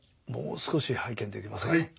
もう少し拝見できますか？